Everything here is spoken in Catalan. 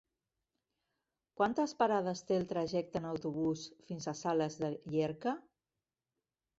Quantes parades té el trajecte en autobús fins a Sales de Llierca?